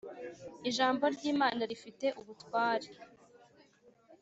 Ijambo ry Imana rifite ubutware